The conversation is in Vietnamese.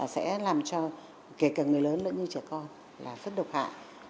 sẽ làm cho kể cả người lớn lẫn như trẻ con là rất độc hại